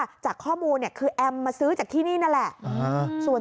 จากข้อมูลเนี่ยคือแอมมาซื้อจากที่นี่นั่นแหละ